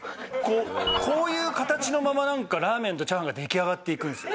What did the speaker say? こういう形のままなんかラーメンとチャーハンが出来上がっていくんですよ。